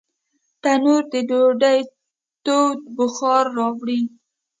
تنور د ډوډۍ تود بخار راوړي